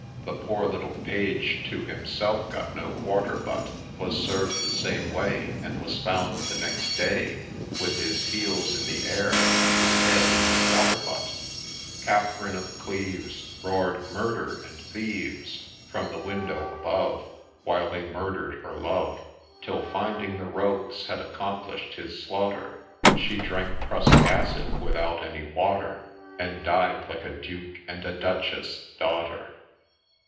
The poor little Page, too, himself got no quarter, but Was served the same way, And was found the next day With his heels in the air, and his head in the water butt ; Catherine of Cleves Roar'd ' Murder !' and ' Thieves I ' From the window above While they murder'd her love ; Till, finding the rogues had accomplished his slaughter, She drank Prussic acid without any water, And died like a Duke and a Duchess's daughter